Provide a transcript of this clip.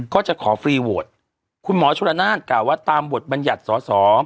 ก็จะขอฟรีโหวตคุณหมอชุระนานกล่าวว่าตามบทบัญญัติสอสอ